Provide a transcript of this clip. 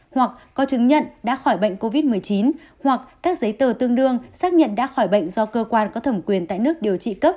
hoặc có chứng nhận đã khỏi bệnh covid một mươi chín hoặc các giấy tờ tương đương xác nhận đã khỏi bệnh do cơ quan có thẩm quyền tại nước điều trị cấp